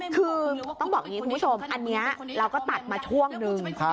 คือต้องบอกอย่างนี้คุณผู้ชมอันนี้เราก็ตัดมาช่วงนึง